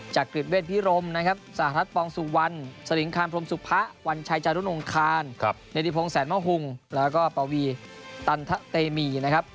กริจเวทพิรมนะครับสหรัฐปองสุวรรณสลิงคารพรมสุพะวันชัยจารุนงคารเนธิพงศแสนมะหุงแล้วก็ปวีตันทะเตมีนะครับ